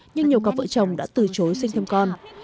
nhưng nhiều cặp vợ chồng đã từ chối sinh thêm con